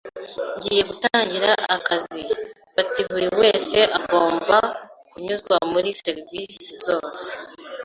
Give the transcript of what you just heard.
Ngiye gutangira akazi bati buri wese agomba kunyuzwa muri services zose